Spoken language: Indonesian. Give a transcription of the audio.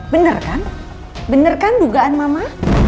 bener kan bener kan dugaan mama